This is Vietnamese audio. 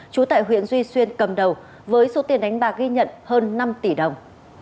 trú tại huyện duy xuyên cầm đầu với số tiền đánh bạc ghi nhận hơn năm tỷ đồng